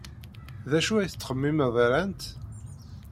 D acu ay tettxemmimed ran-t?